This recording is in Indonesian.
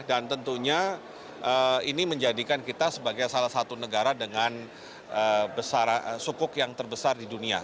dan tentunya ini menjadikan kita sebagai salah satu negara dengan sukuk yang terbesar di dunia